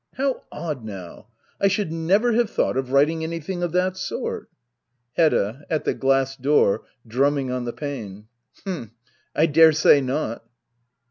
How odd now ! I should never have thought of writing anything of that sort. Hedoa [At the glass door, drumming on the pane,^ H'm , I daresay not.